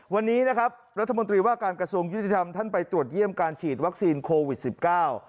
วันนี้นะครับรัฐมนตรีว่าการกระทรวงยุติธรรมท่านไปตรวจเยี่ยมการฉีดวัคซีนโควิดสิบเก้า